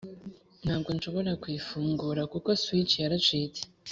ntabwo nshobora kuyifungura, kuko switch yaracitse.